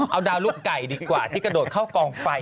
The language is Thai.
เอาดาวลูกไก่ดีกว่าที่กระโดดเข้ากองไฟ